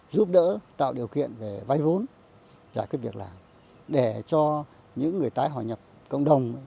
giúp đỡ tạo điều kiện về vay vốn giải quyết việc làm để cho những người tái hòa nhập cộng đồng